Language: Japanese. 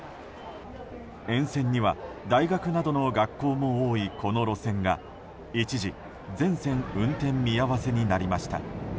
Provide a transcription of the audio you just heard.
沿線には大学などの学校も多いこの路線が一時全線運転見合わせになりました。